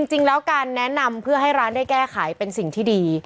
จริงแล้วการแนะนำเพื่อให้ร้านได้แก้ไขเป็นสิ่งที่ดี